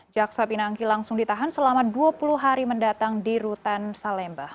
jaksa pinangki langsung ditahan selama dua puluh hari mendatang di rutan salembah